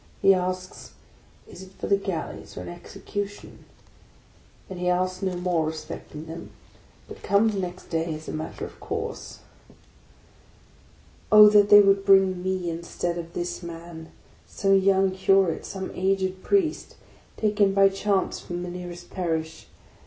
He asks, "Is it for the Galleys or an execution?" and he asks no more respecting them, but comes next day as a matter of course. Oh that they would bring me, instead of this man, some young curate, some aged Priest, taken by chance from the nearest parish!